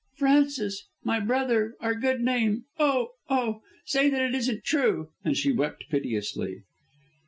"Francis my brother our good name oh! oh! Say that it isn't true," and she wept piteously.